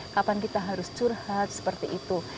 kapan kita harus curhat seperti itu